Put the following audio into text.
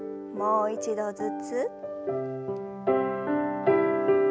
もう一度ずつ。